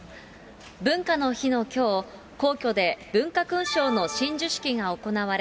文化の日のきょう、皇居で文化勲章の親授式が行われ、